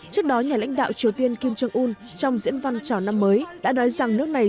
trước đó nhà lãnh đạo triều tiên kim jong un trong diễn văn chào năm mới đã nói rằng nước này